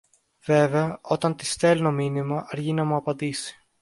Βέβαια όταν της στέλνω μήνυμα αργεί να μου απαντήσει.